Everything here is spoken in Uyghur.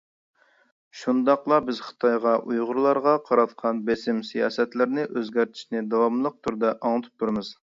شۇنداقلا، بىز خىتايغا ئۇيغۇرلارغا قاراتقان بېسىم سىياسەتلىرىنى ئۆزگەرتىشنى داۋاملىق تۈردە ئاڭلىتىپ تۇرىمىز.